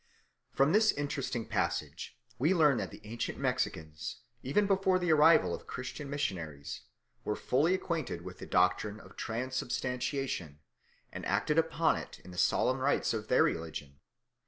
From this interesting passage we learn that the ancient Mexicans, even before the arrival of Christian missionaries, were fully acquainted with the doctrine of transubstantiation and acted upon it in the solemn rites of their religion.